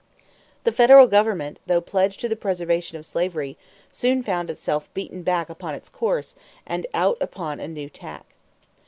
The federal government, though pledged to the preservation of slavery, soon found itself beaten back upon its course and out upon a new tack.